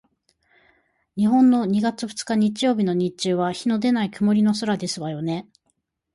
日本の二月二日日曜日の日中は日のでない曇り空ですわよね？